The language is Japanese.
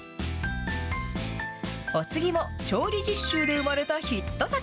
お次も調理実習で生まれたヒット作。